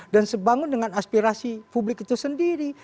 dan sebangun dengan aspirasi publik itu sendiri